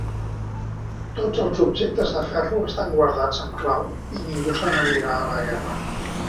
Tots els objectes de ferro estan guardats amb clau i ningú se n'anirà a la guerra.